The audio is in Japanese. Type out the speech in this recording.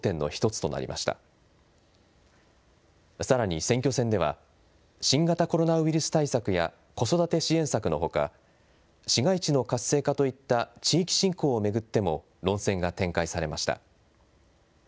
さらに選挙戦では、新型コロナウイルス対策や子育て支援策のほか、市街地の活性化といった地域振興を巡っても、論戦が展開されました。